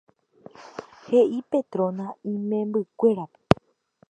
He'i Petrona imembykuérape.